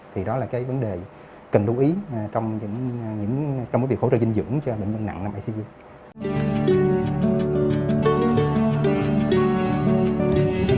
thì đó là cái vấn đề cần lưu ý trong việc hỗ trợ dinh dưỡng cho bệnh nhân nặng nằm icu